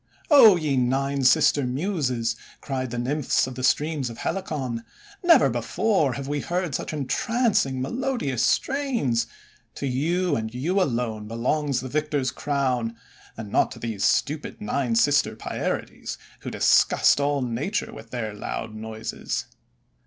c<0 ye Nine Sister Muses," cried the Nymphs of the streams of Helicon, "never before have we heard such entrancing, melodious strains! To you, and to you alone, belongs the victor's crown, and not to these stupid Nine Sister Pierides who disgust all nature with their loud noises.